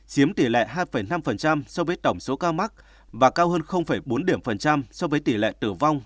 chiếm tỷ lệ hai năm so với tổng số ca mắc và cao hơn bốn so với tỷ lệ tử vong